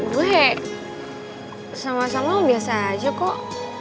gue ya sama sama biasa aja kok